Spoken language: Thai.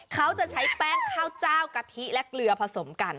เขาจะใช้แป้งข้าวเจ้ากะทิและเกลือผสมกัน